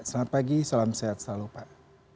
selamat pagi salam sehat selalu pak